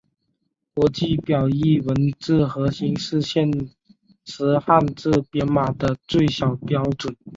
国际表意文字核心是现时汉字编码的最小标准。